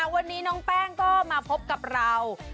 วันนี้น้องแป้งก็มาพบกับเรา